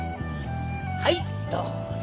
はいどうぞ。